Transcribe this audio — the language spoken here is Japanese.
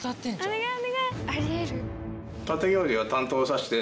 お願い！